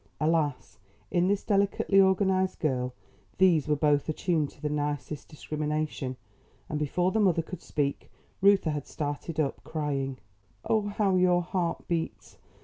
Alas, in this delicately organised girl these were both attuned to the nicest discrimination, and before the mother could speak, Reuther had started up, crying: "Oh, how your heart beats!